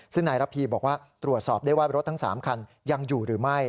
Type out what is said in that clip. ซึ่งนายระพีบอกว่าตรวจสอบได้ว่ารถทั้ง๓คันยังอยู่หรือไม่